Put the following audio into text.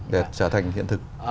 để trở thành hiện thực